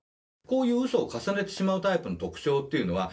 こういうウソを重ねてしまうタイプの特徴っていうのは。